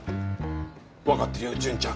わかってるよ順ちゃん